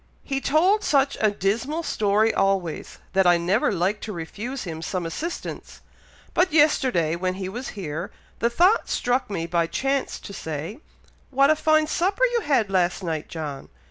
"He told such a dismal story always, that I never liked to refuse him some assistance; but yesterday, when he was here, the thought struck me by chance to say, 'What a fine supper you had last night, John!'